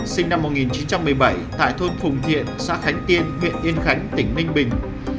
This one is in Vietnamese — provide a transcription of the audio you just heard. sinh năm một nghìn chín trăm một mươi bảy tại thôn phùng thiện xã khánh tiên huyện yên khánh tỉnh ninh bình